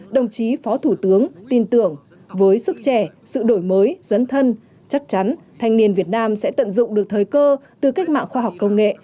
đồng chí phó thủ tướng tin tưởng với sức trẻ sự đổi mới dấn thân chắc chắn thanh niên việt nam sẽ tận dụng được thời cơ từ cách mạng khoa học công nghệ